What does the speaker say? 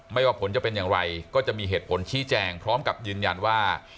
ว่าผลจะเป็นอย่างไรก็จะมีเหตุผลชี้แจงพร้อมกับยืนยันว่า